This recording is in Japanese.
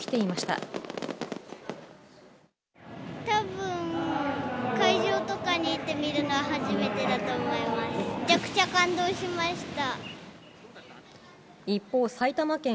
たぶん会場とかに行って見るのは初めてだと思います。